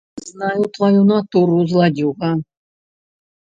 Знаю тваю натуру, зладзюга!